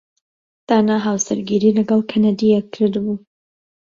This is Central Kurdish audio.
دانا هاوسەرگیریی لەگەڵ کەنەدییەک کردبوو.